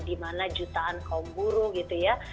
di mana jutaan kaum buruh gitu ya